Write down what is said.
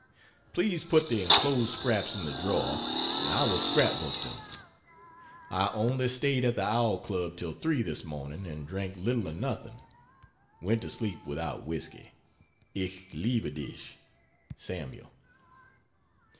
Please put the enclosed scraps in the drawer and I will scrap book them. I only staid at the Owl Club till 3 this morning and drank little or nothing. Went to sleep without whisky. Ich liebe dish. SAML.